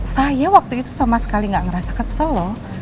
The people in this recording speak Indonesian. saya waktu itu sama sekali gak ngerasa kesel loh